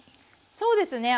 そうですね。